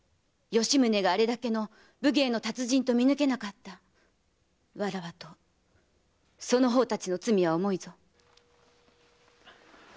吉宗があれだけの武芸の達人と見抜けなかったわらわとその方たちの罪は重いぞ。